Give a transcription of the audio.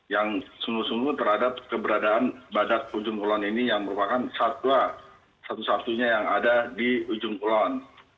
yang sungguh sungguh terhadap keberadaan badak ujung kulon ini yang merupakan satwa satu satunya yang ada di ujung kulon